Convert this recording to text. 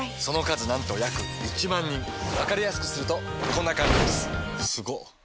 その数なんと約１万人わかりやすくするとこんな感じすごっ！